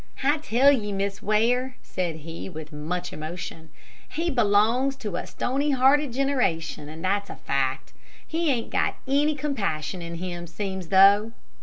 "I tell ye, Miss Ware," said he, with much emotion, "he belongs to a stony hearted generation, and that's a fact. He ain't got any compassion in him, seems though."